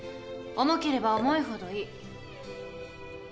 重ければ重いほどいい。